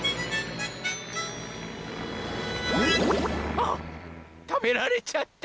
あったべられちゃった！